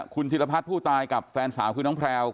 คุณธิรพัฒน์ผู้ตายกับแฟนสาวคือน้องแพลว